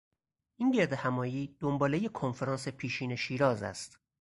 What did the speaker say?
این گردهمایی دنبالهی کنفرانس پیشین شیراز است.